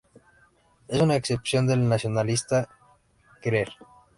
Es una expresión del nacionalismo queer.